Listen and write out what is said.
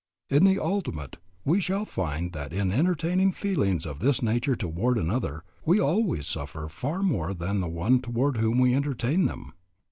In the ultimate we shall find that in entertaining feelings of this nature toward another, we always suffer far more than the one toward whom we entertain them.